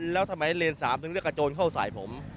แล้วทำไมเลนส์๓นั้นเลื้อกับโจรเข้าสายผม